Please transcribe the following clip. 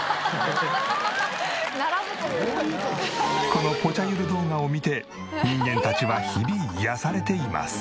このぽちゃゆる動画を見て人間たちは日々癒やされています。